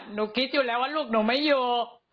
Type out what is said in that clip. หนูคิดอยู่แล้วว่าลูกหนูไม่อยู่